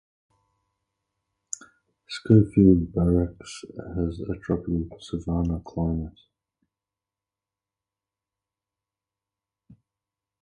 Schofield Barracks has a tropical savanna climate.